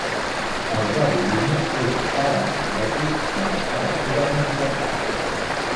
El gadolini és paramagnètic a temperatures ambientals.